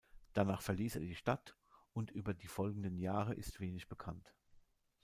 Danach verließ er die Stadt, und über die folgenden Jahre ist wenig bekannt.